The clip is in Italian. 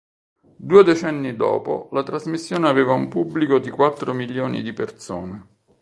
Due decenni dopo, la trasmissione aveva un pubblico di quattro milioni di persone.